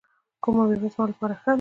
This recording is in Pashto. کومه میوه زما لپاره ښه ده؟